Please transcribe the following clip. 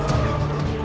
aku tidak suka